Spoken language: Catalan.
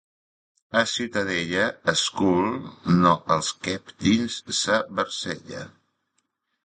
A Ciutadella es cul no els quep dins sa barcella.